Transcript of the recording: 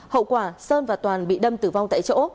hậu quả sơn và toàn bị đâm tử vong tại chỗ